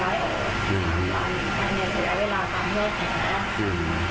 เขาระกายว่าจะย้ายออกจะย้ายเวลาตามเมื่อแผง